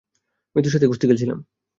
মৃত্যুর সাথে কুস্তি খেলছিলাম।